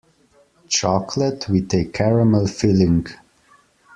Chocolate with a caramel filling.